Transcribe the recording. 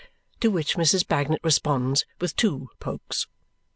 To which Mrs. Bagnet responds with two pokes.